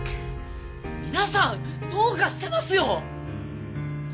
皆さんどうかしてますよ！